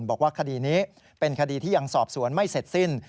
บอกว่าคดีนี้เป็นคดีที่ยังสอบสวนไม่เสร็จสิ้น